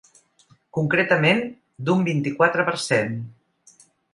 Concretament, d’un vint-i-quatre per cent.